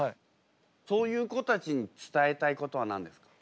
そういう子たちに伝えたいことは何ですか？